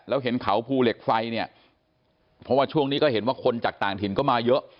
แล้วเห็นเขาภูเหล็กไฟเนี่ยเพราะว่าช่วงนี้ก็เห็นว่าคนจากต่างถิ่นก็มาเยอะ